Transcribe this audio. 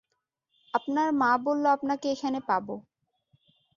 আপনার মা বললেন আপনাকে এখানে পাবো।